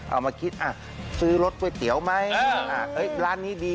เอามาคิดซื้อรถก๋วยเตี๋ยวไหมร้านนี้ดี